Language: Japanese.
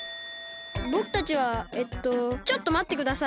ぼくたちはえっとちょっとまってください。